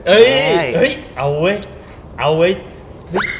เอ๊ยเอ๊ยเอาเว้ยเอาเว้ย